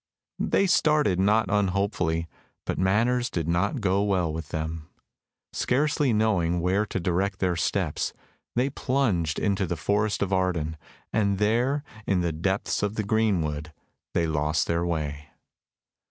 They started not unhopefully, but matters did not go well with them. Scarcely knowing where to direct their steps, they plunged into the Forest of Arden, and there, in the depths of the greenwood, they lost their way.